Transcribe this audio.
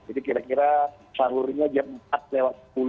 jadi kira kira salurnya jam empat lewat sepuluh